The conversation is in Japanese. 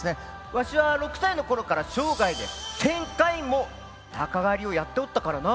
わしは６歳のころから生涯で１，０００回も鷹狩りをやっておったからな。